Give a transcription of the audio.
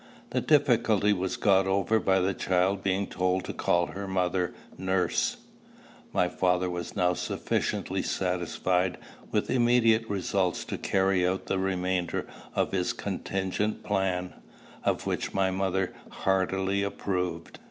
The difficulty was got over by the child's being told to call her mother Nurse. My father was now sufficiently satisfied with immediate results to carry out the remainder of his contingent plan, of which my mother heartily approved.